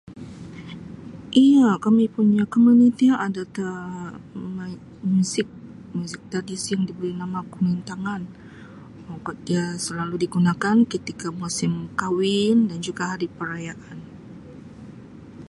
Iya, kami punya komuniti ada Um muzik, muzik tradisi yang diberi nama kulintangan. Ia selalu digunakan ketika musim kawin dan juga hari perayaan.